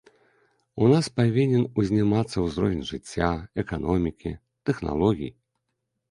У нас павінен узнімацца ўзровень жыцця, эканомікі, тэхналогій.